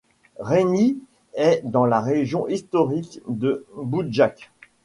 Réni est dans la région historique du Boudjak.